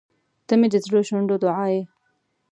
• ته مې د زړه شونډو دعا یې.